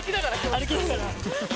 歩きながら。